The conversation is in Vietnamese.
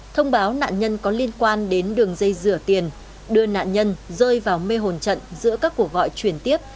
thông báo nạn nhân có liên quan đến đường dây rửa tiền đưa nạn nhân rơi vào mê hồn trận giữa các cuộc gọi chuyển tiếp